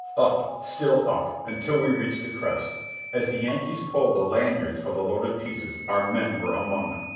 Up! Still up! until we reached the crest! As the Yankees pulled the lanyards of the loaded pieces our men were among them.